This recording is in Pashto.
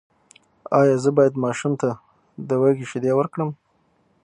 ایا زه باید ماشوم ته د وزې شیدې ورکړم؟